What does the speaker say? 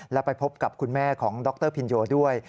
และไปพบกับคุณแม่ของดรพินโยด้วย